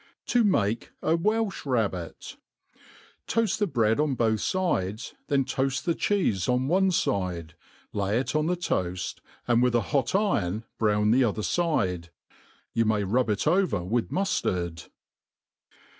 To mate a Wikb Rabbit. TOAST the bread on both fides, then toaft the cheefe ott one fide, lay it on the toaft, and with a hot iron brown thr other fide. You may rub it over with muftard.